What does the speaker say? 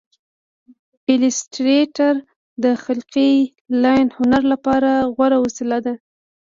ایلیسټریټر د تخلیقي لاین هنر لپاره غوره وسیله ده.